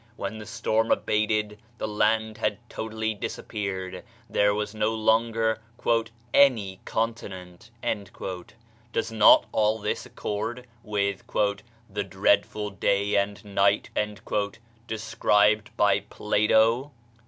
When the storm abated the land had totally disappeared there was no longer "any continent." Does not all this accord with "that dreadful day and night" described by Plato?